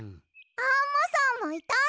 アンモさんもいたんだ！